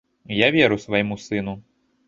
Я веру свайму сыну.